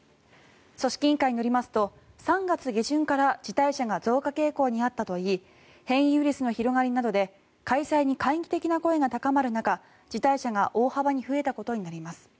組織委員会によりますと３月下旬から辞退者が増加傾向にあったといい変異ウイルスの広がりなどで開催に懐疑的な声が高まる中辞退者が大幅に増えたことになります。